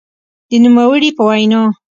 د نوموړي په وینا؛